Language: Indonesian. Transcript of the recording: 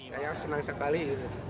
saya senang sekali